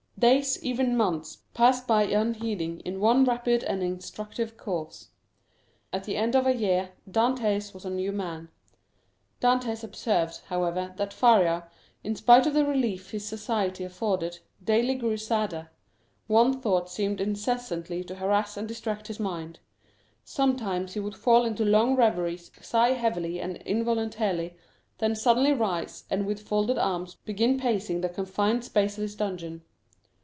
Days, even months, passed by unheeded in one rapid and instructive course. At the end of a year Dantès was a new man. Dantès observed, however, that Faria, in spite of the relief his society afforded, daily grew sadder; one thought seemed incessantly to harass and distract his mind. Sometimes he would fall into long reveries, sigh heavily and involuntarily, then suddenly rise, and, with folded arms, begin pacing the confined space of his dungeon.